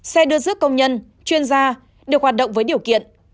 xe đưa rước công nhân chuyên gia được hoạt động với điều kiện